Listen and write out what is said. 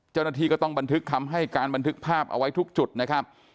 เจ้าหน้าที่ก็ต้องบันทึกคำให้การบันทึกภาพเอาไว้ทุกจุดนะครับ